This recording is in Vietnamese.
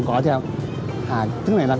cỏ theo thứ này là